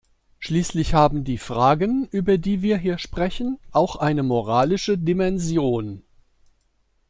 Schließlich haben die Fragen, über die wir hier sprechen, auch eine moralische Dimension.